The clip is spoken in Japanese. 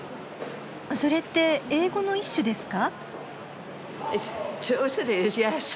それって英語の一種ですか？